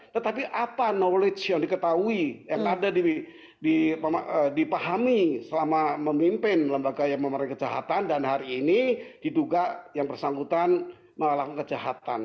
tetapi apa knowledge yang diketahui yang ada dipahami selama memimpin lembaga yang memerangi kejahatan dan hari ini diduga yang bersangkutan melakukan kejahatan